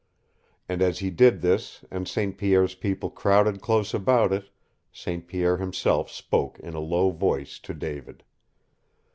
And as he did this and St. Pierre's people crowded close about it, St. Pierre himself spoke in a low voice to David.